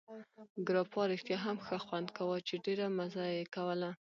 ګراپا رښتیا هم ښه خوند کاوه، چې ډېره مزه یې کوله.